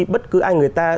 bất cứ ai người ta